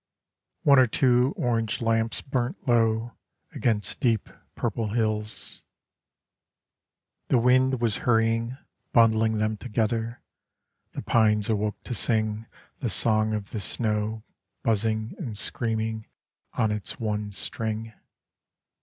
One or two orange lamps burnt low Against deep purple hills The wind was hurrying, bundling them together, The pines awoke to sing The song of the snow buzzing and screaming On its one string.